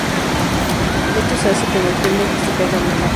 Esto se hace con el fin de que se caigan más rápido.